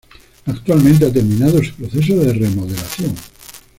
Actualmente ha terminado su proceso de remodelación.